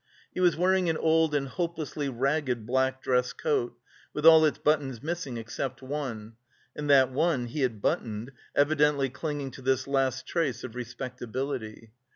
He was wearing an old and hopelessly ragged black dress coat, with all its buttons missing except one, and that one he had buttoned, evidently clinging to this last trace of respectability.